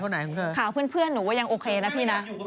ข่าวเพื่อนหนูว่ายังโอเคนะพี่นะ